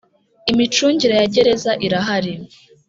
Imicungire ya gereza irahari.